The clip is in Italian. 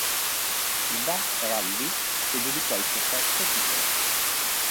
Il Bath Rugby si aggiudicò il suo sesto titolo.